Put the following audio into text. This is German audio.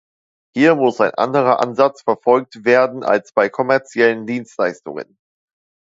Hier muss ein anderer Ansatz verfolgt werden als bei kommerziellen Dienstleistungen.